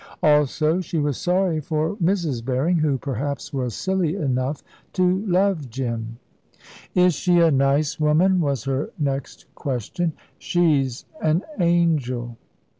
Also, she was sorry for Mrs. Berring, who perhaps was silly enough to love Jim. "Is she a nice woman?" was her next question. "She's an angel."